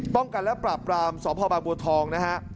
ป้องกันและปรับกรามสพบทองนะฮะ